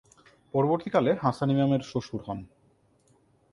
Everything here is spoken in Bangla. পরবর্তীকালে হাসান ইমামের শ্বশুর হন।